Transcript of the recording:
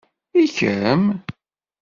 I kemm?